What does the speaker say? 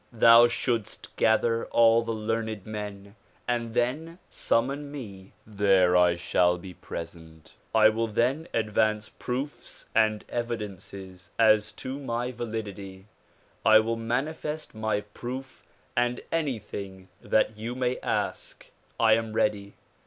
Thou shouldst gather all the learned men and then summon me. There I shall be present. DISCOURSES DELIVERED IN NEW YORK 219 I will then advance proofs and evidences as to my validity. I will manifest my proof and anything that you may ask. I am ready.